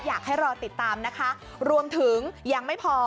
อยากให้รอติดตามนะคะรวมถึงยังไม่พอ